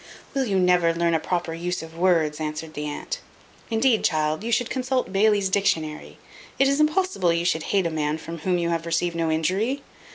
"Will you never learn a proper use of words?" answered the aunt. "Indeed, child, you should consult Bailey's Dictionary. It is impossible you should hate a man from whom you have received no injury.